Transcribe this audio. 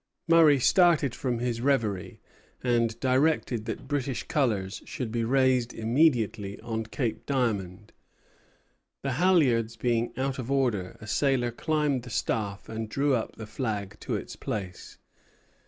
Murray started from his revery, and directed that British colors should be raised immediately on Cape Diamond. The halyards being out of order, a sailor climbed the staff and drew up the flag to its place.